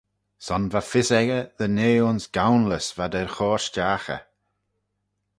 Son va fys echey dy nee ayns goanlys v'ad er chur stiagh eh.